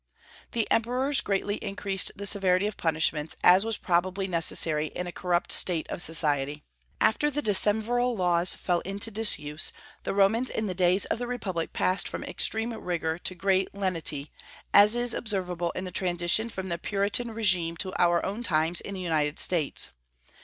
The emperors greatly increased the severity of punishments, as was probably necessary in a corrupt state of society. After the decemviral laws fell into disuse, the Romans in the days of the republic passed from extreme rigor to great lenity, as is observable in the transition from the Puritan régime to our own times in the United States.